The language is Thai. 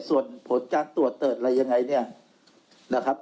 ส่วนโผสต์จ้างตรวจเติดจะอะไรยังไงนี่นะครับ